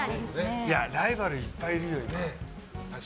ライバルいっぱいいるよね。